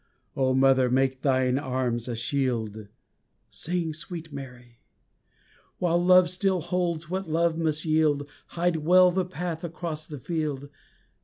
O mother! make thine arms a shield, Sing, sweet Mary! While love still holds what love must yield Hide well the path across the field!